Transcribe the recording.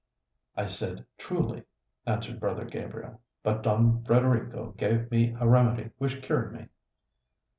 "I said truly," answered brother Gabriel; "but Don Frederico gave me a remedy which cured me."